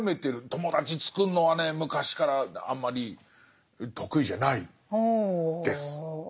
友達つくるのはね昔からあんまり得意じゃないです。